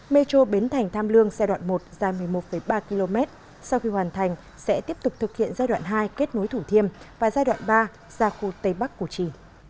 metro bến thành tham lương giai đoạn một dài một mươi một ba km sau khi hoàn thành sẽ tiếp tục thực hiện giai đoạn hai kết nối thủ thiêm và giai đoạn ba ra khu tây bắc củ trì